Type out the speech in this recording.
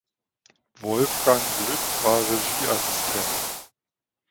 Wolfgang Glück war Regieassistent.